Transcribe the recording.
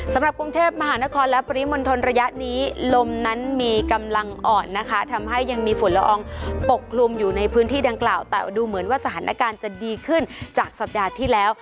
สำหรับกรุงเทพมหานครและปริมณฑลระยะนี้ลมนั้นมีกำลังอ่อนนะคะทำให้ยังมีฝุ่นละอองปกคลุมอยู่ในพื้นที่ดังกล่าวแต่ดูเหมือนว่าสถานการณ์จะดีขึ้นจากสัปดาห์ที่แล้ว